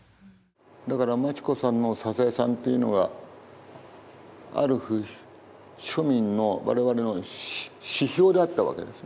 だから町子さんの『サザエさん』っていうのがある種庶民のわれわれの指標であったわけです。